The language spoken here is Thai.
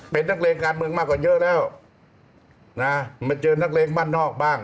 เป็นนักเลงการเมืองมากกว่าเยอะแล้วนะมาเจอนักเลงบ้านนอกบ้าง